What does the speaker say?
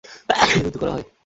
তাকে যুরাহ নামে অভিহিত করা হয়।